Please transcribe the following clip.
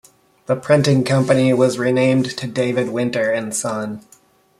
The printing company was renamed to David Winter and Son.